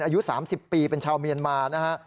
อายุ๓๐ปีเป็นชาวเมียนมานะฮะ